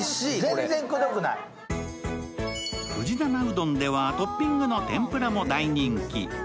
藤店うどんではトッピングの天ぷらも大人気。